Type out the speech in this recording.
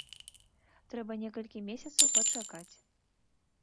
Трэба некалькі месяцаў пачакаць.